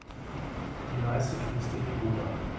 Die Neiße fließt in die Oder.